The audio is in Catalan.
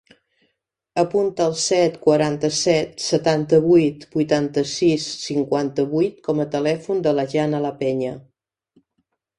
Apunta el set, quaranta-set, setanta-vuit, vuitanta-sis, cinquanta-vuit com a telèfon de la Janna Lapeña.